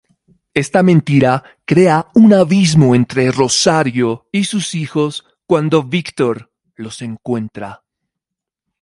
Esta mentira crea un abismo entre Rosario y sus hijos cuando Víctor los encuentra.